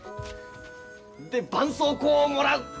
でばんそうこうをもらう！